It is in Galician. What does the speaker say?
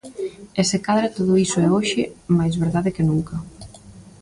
E se cadra todo iso é hoxe máis verdade que nunca.